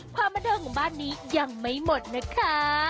ความบันเทิงของบ้านนี้ยังไม่หมดนะคะ